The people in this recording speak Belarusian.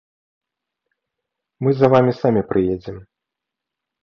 Мы за вамі самі прыедзем.